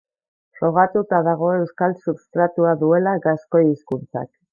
Frogatuta dago euskal substratua duela gaskoi hizkuntzak.